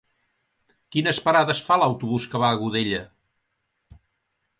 Quines parades fa l'autobús que va a Godella?